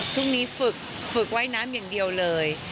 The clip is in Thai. ฝึกฝึกว่ายน้ำอย่างเดียวเลย